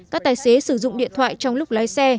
các tài xế sử dụng điện thoại trong lúc lái xe